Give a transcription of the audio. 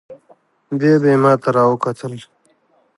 بيا به يې ما ته راوکتل.